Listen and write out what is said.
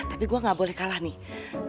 tapi gue gak boleh kalah nih